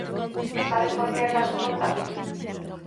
¿E saben por que é tan importante?